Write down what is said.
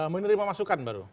menerima masukan baru